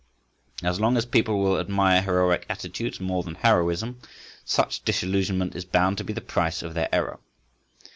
As long as people will admire heroic attitudes more than heroism, such disillusionment is bound to be the price of their error.